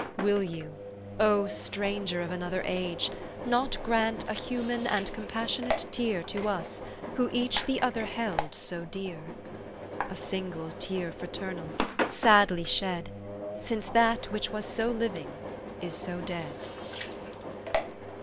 Will you, O stranger of another age, Not grant a human and compassionate tear To us, who each the other held so dear? A single tear fraternal, sadly shed, Since that which was so living, is so dead.